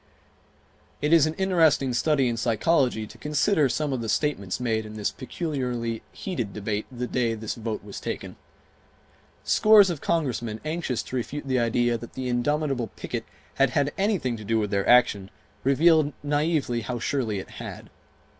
It is an interesting study in psychology to consider some of the statements made in the peculiarly heated debate the day this vote was taken. Scores of Congressmen, anxious to refute the idea that the indomitable picket had had anything to do with their action, revealed naively how surely it had.